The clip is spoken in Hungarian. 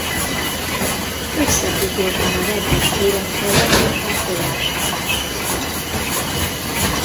Összefüggés van a nedves életterek és a tojásrakás között.